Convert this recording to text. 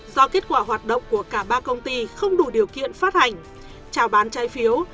do kết quả hoạt động của cả ba công ty không đủ điều kiện phát hành trào bán trái phiếu